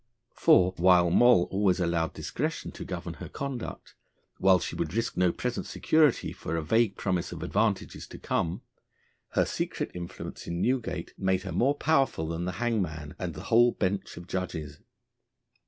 For, while Moll always allowed discretion to govern her conduct, while she would risk no present security for a vague promise of advantages to come, her secret influence in Newgate made her more powerful than the hangman and the whole bench of judges.